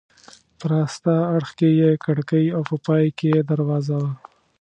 په راسته اړخ کې یې کړکۍ او په پای کې یې دروازه وه.